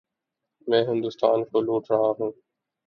میں ہندوستان کو لوٹ رہا ہوں۔